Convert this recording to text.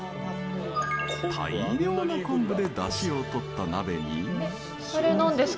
大量の昆布でだしを取った鍋に。